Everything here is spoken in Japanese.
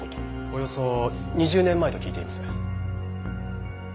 およそ２０年前と聞いています。